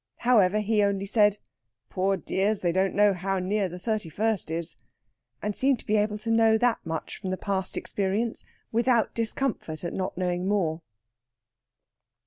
However, he only said, "Poor dears, they don't know how near the thirty first is," and seemed to be able to know that much from past experience without discomfort at not knowing more.